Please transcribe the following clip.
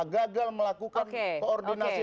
gagal melakukan koordinasi